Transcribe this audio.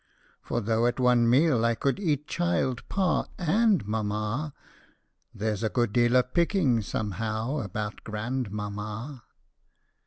For though at one meal I could eat child, pa, and mamma, There 's a good deal of picking somehow about grandmamma